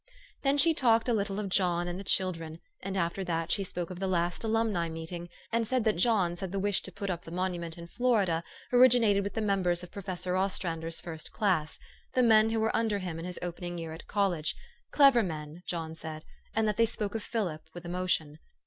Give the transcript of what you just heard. Then she talked a little of John and the children, and after that she spoke of the last alumni meeting, and said that John said the wish to put up the monu ment in Florida originated with the members of Professor Ostrander's first class, the men who were under him in his opening year at college; clever men, John said, and that they spoke of Philip with emotion.